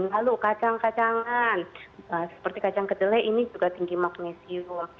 lalu kacang kacangan seperti kacang kedelai ini juga tinggi magnesium